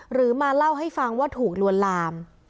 หรือมาเล่าให้ฟังว่าถูกลวนลาม